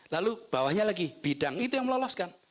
lalu bawahnya lagi bidang itu yang meloloskan